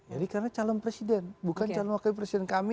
jadi karena calon presiden bukan calon wakil presiden kami